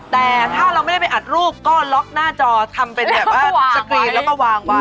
แต่ถ้าเราไม่ได้ไปอัดรูปก็ล็อกหน้าจอทำเป็นแบบว่าสกรีนแล้วก็วางไว้